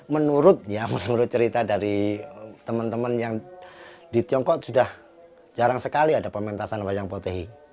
menurutnya menurut cerita dari teman teman yang di tiongkok sudah jarang sekali ada pementasan wayang potehi